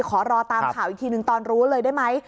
ขอรอตามข่าวอีกทีหนึ่งตอนรู้เลยได้ไหม